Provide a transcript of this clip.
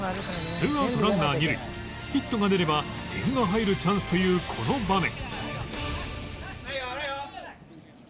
２アウトランナー二塁ヒットが出れば点が入るチャンスというこの場面